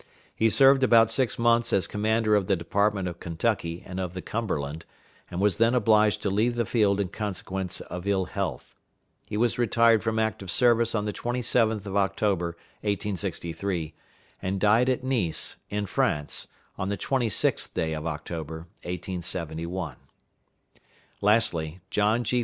He served about six months as Commander of the Department of Kentucky and of the Cumberland, and was then obliged to leave the field in consequence of ill health. He was retired from active service on the 27th of October, 1863, and died at Nice, in France, on the 26th day of October, 1871. Lastly, John G.